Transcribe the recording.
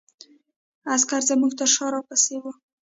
عسکر زموږ تر شا را پسې وو.